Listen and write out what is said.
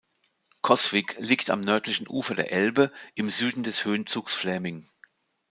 Coswig liegt am nördlichen Ufer der Elbe im Süden des Höhenzugs Fläming.